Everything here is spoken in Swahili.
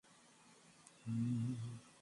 watu wana uhakika kuhusu sauti zinazorekodiwa